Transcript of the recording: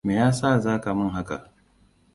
Me yasa za ka min haka?